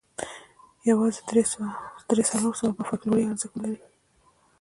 یوازې درې څلور سوه به یې فوکلوري ارزښت ولري.